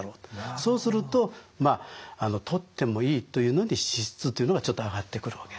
そうするとまあ「とってもいい」というのに脂質というのがちょっと挙がってくるわけですね。